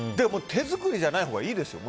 手作りじゃないほうがいいです。